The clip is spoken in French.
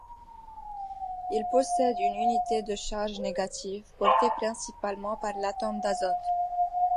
Il possède une unité de charge négative, portée principalement par l'atome d'azote.